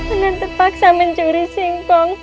anak terpaksa mencuri singkong